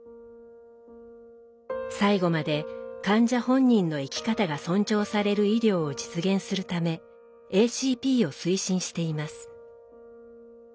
最後まで患者本人の生き方が尊重される医療を実現するためＡＣＰを推進しています。